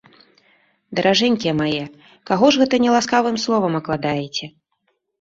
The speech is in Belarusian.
Даражэнькія мае, каго ж гэта няласкавым словам акладаеце?